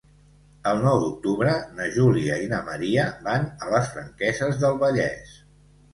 El nou d'octubre na Júlia i na Maria van a les Franqueses del Vallès.